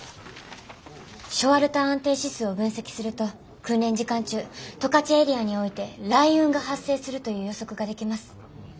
ショワルター安定指数を分析すると訓練時間中十勝エリアにおいて雷雲が発生するという予測ができます。